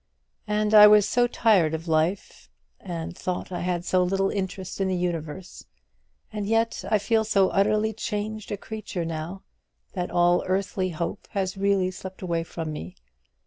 And I was so tired of life, and thought I had so little interest in the universe; and yet I feel so utterly changed a creature now that all earthly hope has really slipped away from me.